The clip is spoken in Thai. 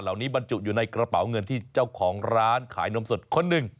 บรรจุอยู่ในกระเป๋าเงินที่เจ้าของร้านขายนมสดคนหนึ่ง